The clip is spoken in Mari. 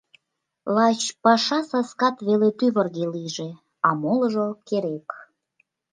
Лач паша саскат веле тӱвыргӧ лийже, а молыжо керек.